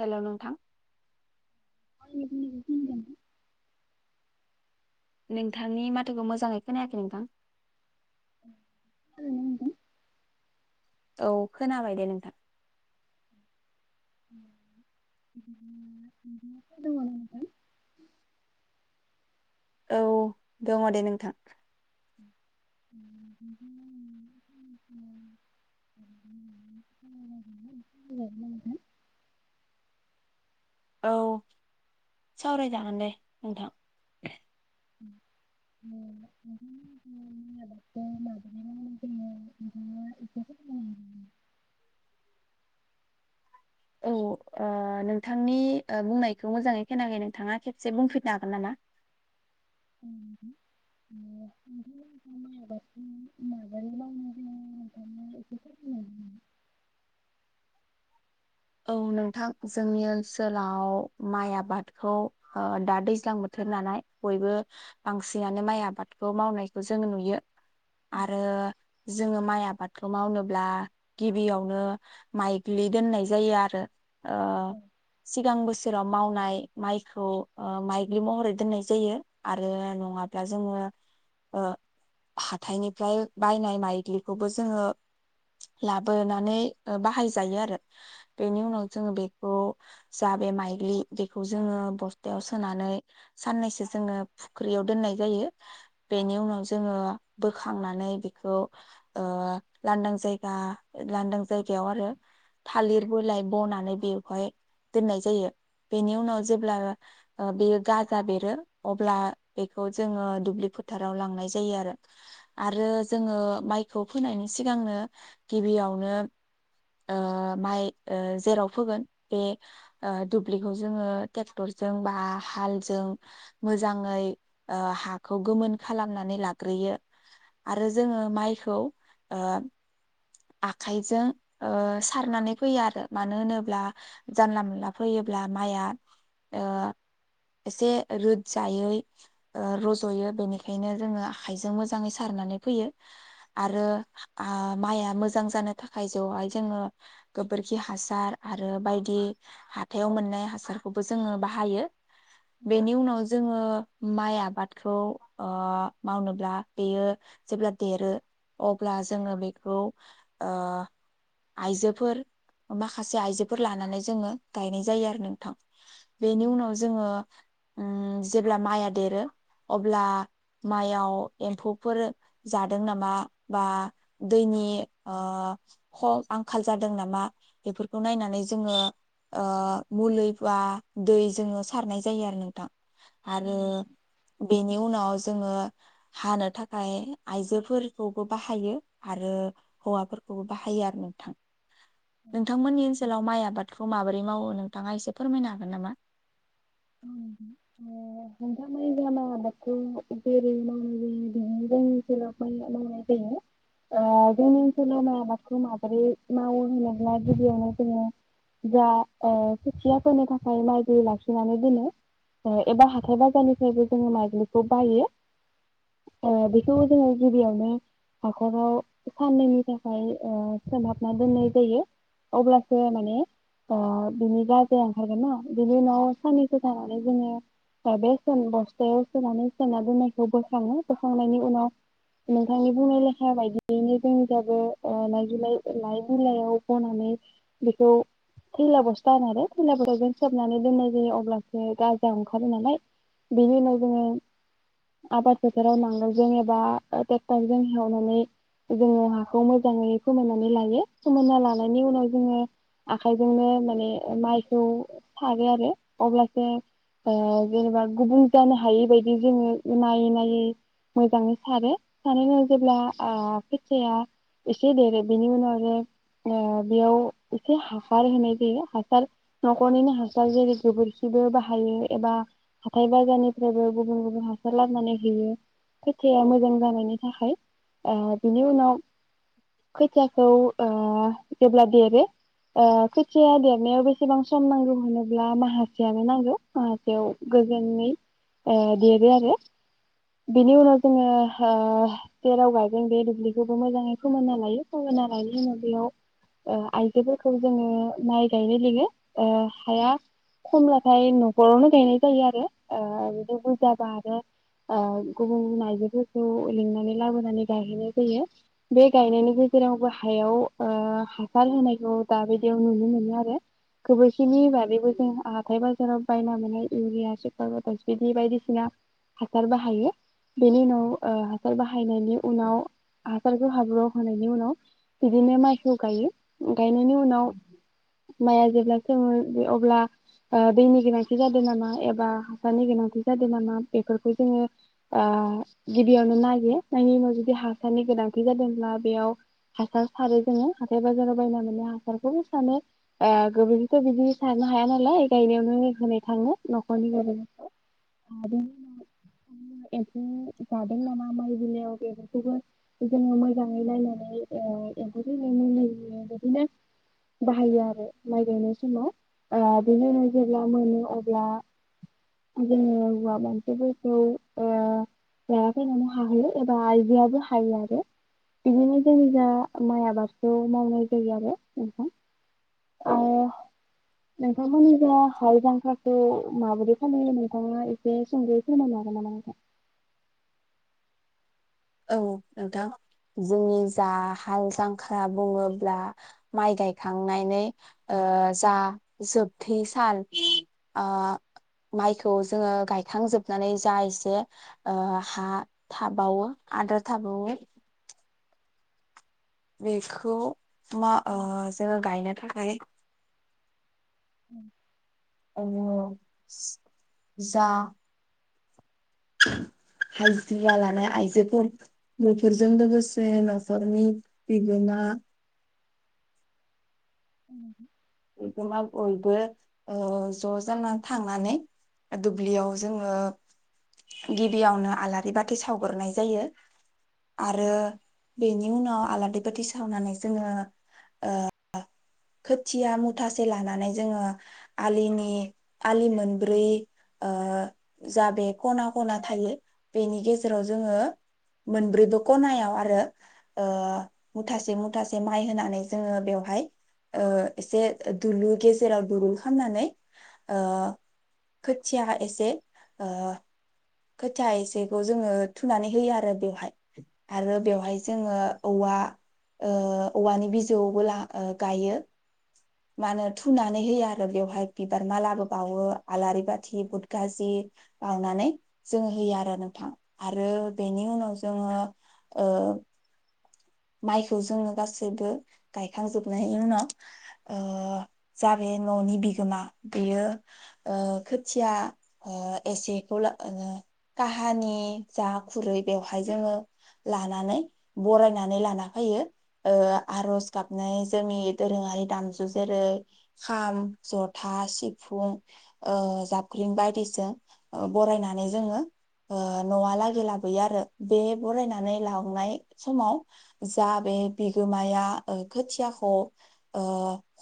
Hello नोंथां [unintelligible] नोंथांनि माथोखौ मोजाङै खोनायाखै नोंथां [unintelligible] औ खोनाबाय दे नोंथां [unintelligible] औ दङ दे नोंथां [inaudible] औ सावरायजागोन दे नोंथां [unintelligible] औ नोंथांनि ओ बुंनायखौ मोजाङै खोनाखै नोंथाङा खेबसे बुंफिनो हागोन नामा [inaudible] औ नोंथां जोंनि ओनसोलाव माइ आबादखौ ओ दा दैज्लां बोथोर नालाय बयबो बांसिनानो माइ आबादखौ मावनायखौ जों नुयो आरो जोङो माइ आबादखौ मावनोब्ला गिबियावनो माइग्लि दोननाय जायो आरो ओ सिगां बोसोर राव मावनाय माइखौ ओ माइग्लि महरै दोननाय जायो आरो नङाब्ला जोङो ओ हाथायनिफ्राय बायनाय माइग्लिखौबो जोङो लाबोनानै बाहायजायो आरो बेनि उनाव जोङो बेखौ जा बे माइग्लि बेखौ जोङो बस्थायाव सोनानै साननैसो जोङो फुख्रियाव दोननाय जायो बेनि उनाव जोङो बोखांनानै बेखौ ओ लांदां जायगा लांदां जायगायाव आरो थालिर बलााय बनानै बेवहाय दोननाय जायो बेनि उनाव जेब्ला बेयो गाजा बेरो अब्ला बेखौ जोङो दुब्लि फोथाराव लांनाय जायो आरो आरो जोङो माइखौ फोनायनि सिगांनो गिबियावनो माइ ओ जेराव फोगोन बे ओ दुब्लिखौ जोङो ट्रेक्टरजों बा हालजों मोजाङै ओ हाखौ गोमोन खालामनानै लाग्रोयो आरो जोङो माइखौ ओ आखाइजों ओ सारनानै फैयो आरो मानो होनोब्ला जानला मोनला फैयोब्ला माइआ ओ एसे रोदजायै रज'यो बेनिखायनो जोङो आखाइजों मोजाङै सारनानै फैयो आरो आ माइआ मोजां जानो थाखाय जेहाय जोङो गोबोरखि हासार आरो बायदि हाथायाव मोननाय हासारखौबो जोङो बाहायो बेनि उनाव जोङो माइ आबादखौ ओ मावनोब्ला बेयो जेब्ला देरो अब्ला जोङो बे खौ ओ आइजोफोर माखासे आइजोफोर लानानै जोङो गायनाय जायो आरो नोंथां बेनि उनाव जोङो उम जेब्ला माइआ देरो अब्ला माइयाव एम्फौफोर जादों नामा बा दैनि ओ ख आंखाल जादों नामा बेफोरखौ नायनानै जोङो ओ मुलि बा दै जोङो सारनाय जायो आरो नोंथां आरो नोंथां? बेनि उनाव जोङो हानो थाखाय आयजोफोरखौबो बाहायो आरो हौवाफोरखौबो बाहायो आरो नोंथां नोंथांमोननि ओनसोलाव माइ आबाद खौ माबोरै मावो नोंथाङा एसे फोरमायनो हागोन नामा [unintelligible] मावनाय जायो बेायनो जोंनि ओनसोलाव मावनाय जायो जोंनि ओनसोलाव माइ आबादखौ माबोरै मावो होनोब्ला गिबियावनो जोङो जा खोथियाफोरनि थाखाय माइ दैै लाखिनानै एबा हाथाय बाजारनिफ्रायबो जोङो माइज्लिखौ बायो ओ बेखौ जोङो गिबियावनो हाखराव साननैनि थाखाय ओ सोमहाबना दोननाय जायो अब्लासो माने बिनि गाजाया ओंखारगोन ना बिनि उनाव साननै सजानानै जोङो बे बस्थायाव सोनानै सोना दोननायखौ बोखाङो बोखांनायनि उनाव नोंथांनि बुंनाय लेखा बायदियैनो जों दाबो लाइजौलाइ लाइ बिलइयाव बनानै बेखौ थैला बस्था होन आरो थैला बस्थाव जों सोबनानै दोननाय जायो अब्ला गाजा ओंखारो नालाय बेनि उनाव जोङो आबाद फोथाराव नांगोलजों एबा ट्रेक्टरजों एवनानै जोङो हाखौ मोजाङै फोमोननानै लायो फोमोनना लानायनि उनाव जोङो आखाइजोंनो माने माइखौ सारो आरो अब्ला ओ जेनेबा गुबुं जानो हायै बायदि जोङो नायै नायै मोजाङै सारो सारै सारै जेब्ला ओ खोथिाया एसे देरो बेनि उनाव आरो ओ बेयाव एसे हासार होनाय जायो हासार न'खरनिनो हासार जेरै गोबोरखि बो बाहायो एबा हाथाय बाजारनिफ्रायबो गुबुन गुबुन हासार लाबोनानै होयो खोथिाया मोजां जानायनि थाखाय ओ बिनि उनाव खोथियाखौ ओ जेब्ला देरो ओ खोथिाया देरनायाव बेसेबां सम नांगौ होनोब्ला मा स मोनसेयानो नांगौ ओ बेयाव गोजोनै ओ देरो आरो बेनि उनाव जोङो ओ जेराव गायोन बे दुब्लिखौबो मोजाङै फोमोनना लायो फोमोनना लायनि उनाव बेयाव ओ आइजोफोरखौ जोङो माइ गायनो लिङो ओ हाया खमब्लाथाय न'खरावनो गायनाय जायो आरो ओ बिदि बुरजाबा आरो ओ गुबुन आइजफोरखौ लिंनानै लाबोनानै गायहैनाय जायो बे गायनायनि गेजेरावबो हायाव ओ हासार होनायखौ दा बायदियाव नुनो मोनो आरो गोबोरखिनि बादैबो जोंहा हाथाय बाजाराव बायना मोननाय इउरिया सुपारटास बिदि बायदिसिना हासार बाहायो बेनि उनाव ओ हासार बाहायनायनि उनाव हासारखौ हाब्र' होनायनि उनाव बिदिनो माइखौ गायो गायनायनि उनाव माइआ जेब्ला सोमो अब्ला ओ दैनि गोनांथि जादों नामा एबा हासारनि गोनांथि जादों नामा बेफोरखौ जोङो ओ गिबियावनो नायो नायनायनि उनाव जुदि हासारनि गोनांथि जादोंब्ला बेयाव हासार सारो जोङो हाथाय बाजाराव बायना मोननाय हासारखौबो सारो ओ गोबोरखौथ' बिदि सारनो हाया नालाय गायनायावनो होनाय थाङो न'खरनि गेजेराव ओ बेनि उनाव एम्फौ जादों नामा माइ बिनायाव बेफोरखौबो जोङो मोजाङै नायनानै ओ एम्फौखौ थैनायनि मुलि बिदिनो बाहायो आरो माइ गायनाय समाव आ बिदिनो जेब्ला मोनो अब्ला जोङो हौवा मानसिफोरखौ ओ लाना फैनानै हाहैयो एबा आइजोआबो हायो आरो बिदिनो जों जा माइ आबादखौ मावनाय जायो आरो नों थां ओ नों थांमोननि जा हाल जांख्लाखौ माबोरै खालामनाय नोंथाङा एसे सुंदयै फोरमायनो हागोन नामा नोंथां औ नोंथां जोंनि जा हाल जांखाला बुङोब्ला माइ गायखांनानै ओ जा जोबथै सान ओ माइखौ जोङो गायखांजोबनानै जा एसे ओ हा थाबावो आद्रा थाबावो बेखौ मा ओ जोङो गायनो थाखाय उम ओ जा हाजिरा लानाय आइजोफोर बेफोरजों लोगोसे न'खरनि बिगोमा ओ नोंथां बयबो ज' जानानै थांनानै दुब्लियाव जोङो गिबियावनो आलारि बाथि सावगोरनाय जायो आरो बे नि उनाव आलारि बाथि सावनानै जोङो ओ खोथिया मुथासे लानानै जोङो आलिनि आलि मोनब्रै ओ जा बे खना खना थायो बेनि गेजेराव जोङो मोनब्रैबो खनायाव आरो ओ मुथासे मुथासे माइ होनानै जोङो बेवहाय ओ एसे दुलु गेजेराव दुलुर खालामनानै ओ खोथिया एसे ओ खोथिया एसेखौ जोङो थुनानै होयो आरो बेवहाय आरो बेवहाय जोङो औवा ओ औवानि बिजौबो ला गायो मानो थुनानै होयो आरो बेयावहाय बिबार मालाबो बावो आलारि बाथि बुद गाजि बावनानै जोङो होयो आरो नोंथां आरो बेनि उनाव जोङो ओ माइखौ जोङो गासैबो गायखांजोबनायनि उनाव ओ जा बे न'नि बिगोमा बेयो ओ खोथिया ओ एसेखौ काहानि जा खुरै बेवहाय जोङो लानानै बराय बोनानै लाना फैयो आरज गाबनाय जोंनि दोरोङारि दामजु जेरै खाम, जथा, सिफुं ओ जाबख्रिं बायदिजों ओ बरायनानै जोङो ओ न'आ लागि लाबोयो आरो बे बरायनानै लांनाय समाव जा बे बिगोमाया ओ खोथियाखौ ओ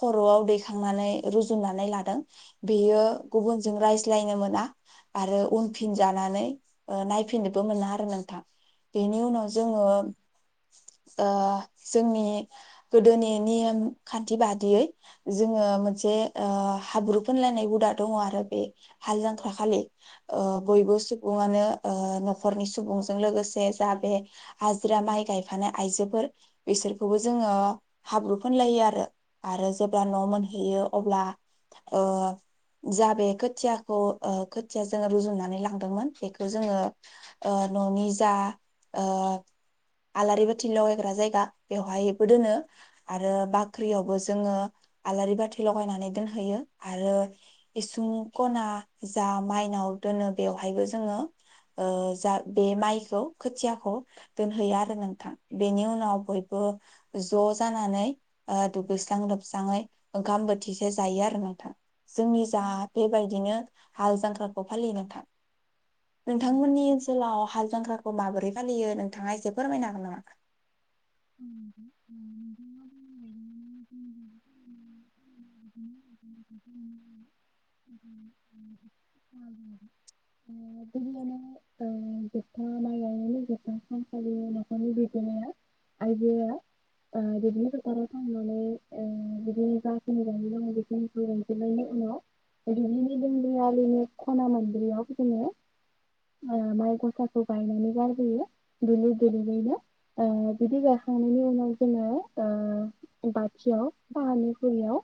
खर'आव दैखांनानै रुजुननानै लादों। बेयो गुबुनजों राय ज्लायनो मोना आरो उनफिनजानानै ओ नायफिननोबो मोना आरो नोंथां बेनि उनाव जोङो ओ जोंनि गोदोनि नियम खानथि बादियै जोङो मोनसे ओ हाब्रु फुनलायनाय हुदा दङ आरो बे हाल जांख्राखालि ओ बयबो सुबुङानो ओ न'खरनि सुबुंजों लोगोसे जा बे हाजिरा माइ गाय फानाय आइजोफोर बिसोरखौबो जोङो हाब्रु फोनलायो आरो। आरो जेब्ला न' मोनहैयो। अब्ला ओ जा बे खोथियाखौ ओ खोथिया जोङो रुजुननानै लांदोंमोन बेखौ जोङो ओ न'नि जा ओ आलारि बाथि लगायग्रा जायगा बेवहायबो दोनो आरो बाख्रियावबो जोङो आलारि बाथि लगायनानै दोनहैयो आरो इसुं खना जा माइनाव दोनो बेवहायबो जोङो ओ जा बे माइखौ खोथियाखौ दोनहैयो आरो। नोंथां बेनि उनाव बयबो ज' जानानै ओ दुगैस्रां लोबस्राङै ओंखाम बोथिसे जायो आरो नोंथां। जोंनि जा बेबायदिनो हाल जां फोरखौ फालियो नोंथां नोंथांमोननि ओनसोलाव हाल जांख्राखौ माबोरै फलियो नोंथाङा एसे फोरमायनो हागोन नामा [inaudible] बिदिनो जोबथा माइ गायनायनि जोबथा सानसालि न'खरनि दैदेननाया आइजोआ ओ दैदनो फोथाराव थांनानै ओ बिदिनो जा जे गाय बेनिखौ गायजोबनायनि उनाव ददिलिनि दोंबयालिनि खना मोनब्रैयाव जोङो ओ माइ गसाखौ गायनानै गारबोोयो दुबलि गलैनो ओ बिदै गायखांनायनि उनाव जोङो ओ बाथियाव सानि रियाव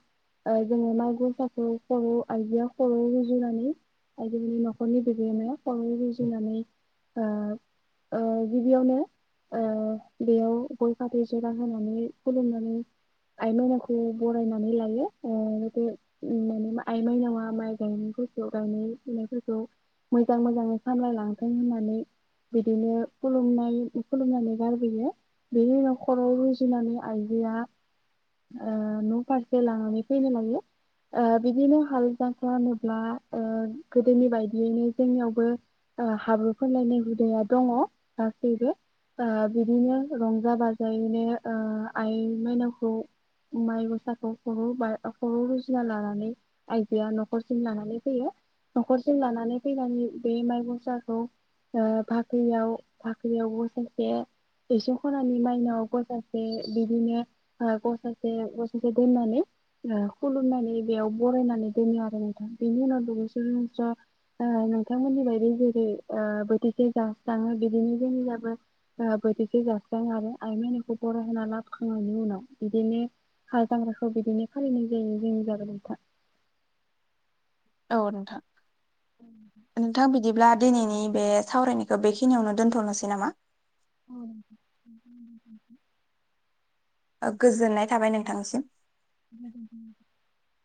ओ जोङो माइ गुरसाखौ खर' आइजोआ खर' रुजुनानै आइजोफोरनि न'खरनि बिगोमाया खर' रुजुनानै ओ ओ गिबियावनो ओ बेयाव गय फाथै जिरा होनानै खुलुमनानै आइ माइनावखौ बरायनानै लायो ओ बे माने आइ माइनावा माइ गायनायफोरखौ गायनाय फुनायफोरखौ मोजां मोजाङै सामलाय लांफा होनानै बिदिनो खुुमनाय खुलुमनानै गारबोयो बेनि उनाव‌ खराव रुजुनानै ओ आइजोआ न' फारसे लानानै फैनो लायो ओ बिदिनो ओ हाल जांख्रा होनोब्ला ओ गोदोनि बायदियैनो जोंनियावबो ओ हाब्रु फानलायनाय हुदाया दङ गासैबो ओ बिदिनो रंजा बाजायैनो ओ आइ माइनावखौ माइ खर' बा खर' रुजुना लानानै आइजोआ न'खरसिम लानानै फैयो न'खरसिम लानानै फैनानै बे माइ गसाखौ ओ भाख्रियाव भाख्रियाव गसासे एसिं खनानि माइनावाव गसासे बिदिनो ओ गसासे से दोननानै ओ खुलुमनानै बेयाव बरायनानै दोनो आरो नोंथां बेनि उनाव दगैसस' ओ नोंथांमोननि बायदि जेरै ओ बोथिसे जास्राङो बिदिनो जोंनि जाबो ओ बोथिसे जास्राङो आरो आइ माइनावखौ बरायहा लाबोखांनायनि उनाव बिदिनो हाल जांग्राखौ बिदिनो फालिनाय जायो जोंनिजाबो नोंथां। अ नोंथां नोंथां बिदि बिदिब्ला दिनैनि बे सावरायनायखौ बेखिनियावनो दोन्थ'नोसै नामा औ गोजोननाय थाबाय नोंथांसिम [inaudible]